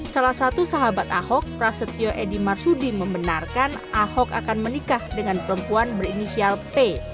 salah satu sahabat ahok prasetyo edi marsudi membenarkan ahok akan menikah dengan perempuan berinisial p